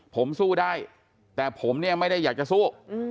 ผมสู้ได้แต่ผมเนี่ยไม่ได้อยากจะสู้